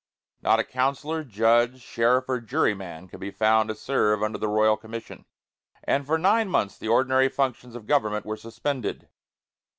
Not a councillor, judge, sheriff, or juryman could be found to serve under the royal commission; and for nine months the ordinary functions of government were suspended.